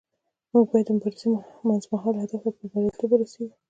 موږ باید د مبارزې منځمهاله هدف ته په بریالیتوب ورسیږو.